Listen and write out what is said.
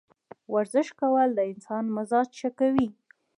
ورزش کول د انسان مزاج ښه کوي.